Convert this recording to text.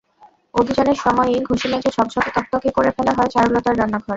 অভিযানের সময়ই ঘষেমেজে ঝকঝকেতকতকে করে ফেলা হয় চারুলতার রান্নাঘর।